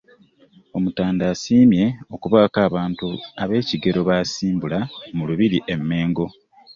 Omutanda asiimye okubaako abantu ab'ekigero b'asimbula mu Lubiri e Mmengo